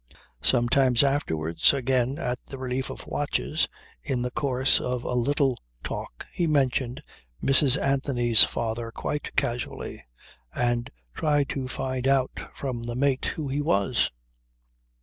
Some time afterwards, again at the relief of watches, in the course of a little talk, he mentioned Mrs. Anthony's father quite casually, and tried to find out from the mate who he was.